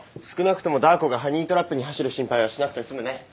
少なくともダー子がハニートラップに走る心配はしなくて済むね。